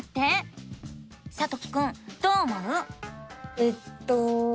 えっと。